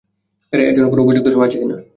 এর জন্য কোনো উপযুক্ত সময় আছে কি না?